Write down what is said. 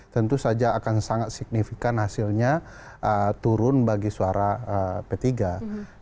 tentu saja akan sangat signifikan hasilnya turun bagi suara p tiga